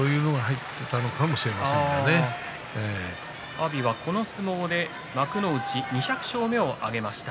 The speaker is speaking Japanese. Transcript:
阿炎は、この相撲で幕内２００勝目を挙げました。